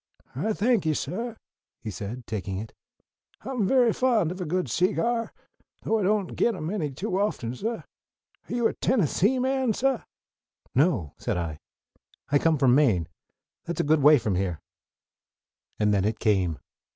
"I thank you, suh," he said, taking it. "I'm very fond of a good seegyar, though I don't git 'em any too often, suh. Are you a Tennessee man, suh?" "No," said I. "I come from Maine. That's a good way from here." And then it came.